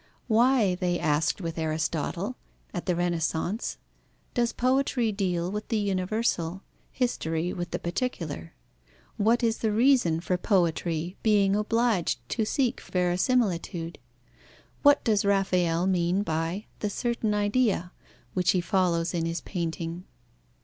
Why, they asked with Aristotle, at the Renaissance, does poetry deal with the universal, history with the particular? What is the reason for poetry being obliged to seek verisimilitude? What does Raphael mean by the "certain idea," which he follows in his painting?